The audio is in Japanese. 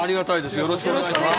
よろしくお願いします。